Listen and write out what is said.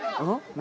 何？